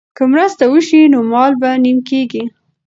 که مرسته وشي نو مال به نیم کیږي.